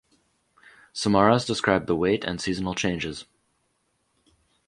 Samaras described the weight and seasonal changes.